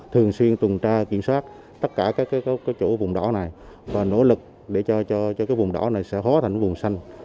thường xuyên tuần tra kiểm soát tất cả các chỗ vùng đỏ này và nỗ lực để cho vùng đỏ này sẽ hóa thành vùng xanh